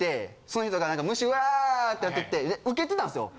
その人が虫わぁってやっててウケてたんですよ。